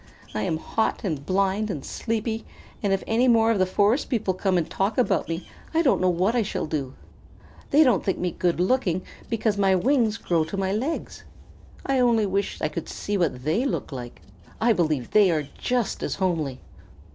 I am hot and blind and sleepy, and if any more of the forest people come and talk about me, I don't know what I shall do. They don't think me good looking because my wings grow to my legs. I only wish I could see what they look like. I believe they are just as homely."